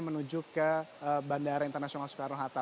menuju ke bandara internasional soekarno hatta